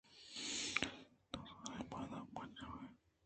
تو زاناں باندا مَچھ ءَ رو ئے؟